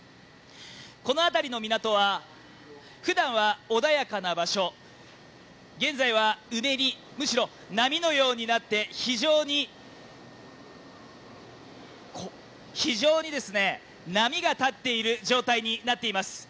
この辺りの港はふだんは穏やかな場所、現在はうねり、むしろ波のようになって非常に波が立っている状態になっています。